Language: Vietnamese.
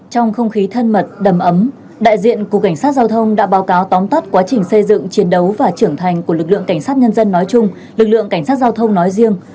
trong không khí thân mật đầm ấm đại diện cục cảnh sát giao thông đã báo cáo tóm tắt quá trình xây dựng chiến đấu và trưởng thành của lực lượng cảnh sát nhân dân nói chung lực lượng cảnh sát giao thông nói riêng